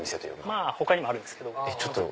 まぁ他にもあるんですけど。